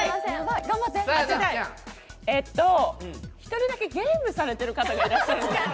１人だけゲームされている方がいらっしゃるんですけど。